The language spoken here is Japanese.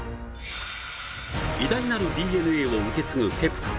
偉大なるＤＮＡを受け継ぐケプカ。